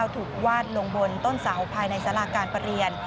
ถูกวาดลงบนต้นเสาภายในสาราการประเรียน